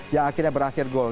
yang akhirnya berakhir gol